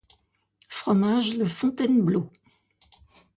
Fromage le fontainebleau.